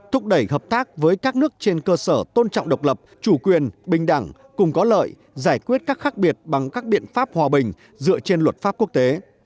thúc đẩy hợp tác với các nước trên cơ sở tôn trọng độc lập chủ quyền bình đẳng cùng có lợi giải quyết các khác biệt bằng các biện pháp hòa bình dựa trên luật pháp quốc tế